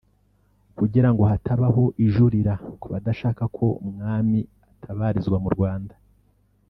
Kugirango hatabaho ijurira ku badashaka ko umwami atabarizwa mu Rwanda